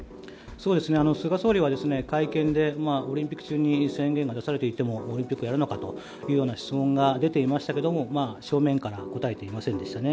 菅総理は会見でオリンピック中に宣言が出されていてもオリンピックをやるのかという質問が出ていましたが正面から答えていませんでしたね。